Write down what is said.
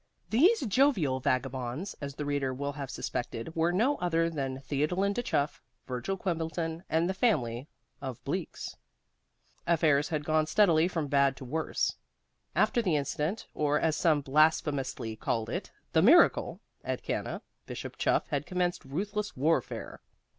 These jovial vagabonds, as the reader will have suspected, were no other than Theodolinda Chuff, Virgil Quimbleton, and the family of Bleaks. Affairs had gone steadily from bad to worse. After the incident or, as some blasphemously called it, the miracle at Cana, Bishop Chuff had commenced ruthless warfare.